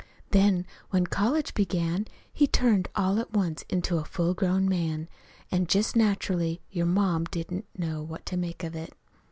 Then when college began he turned all at once into a full grown man. An' just naturally your ma didn't know what to make of it.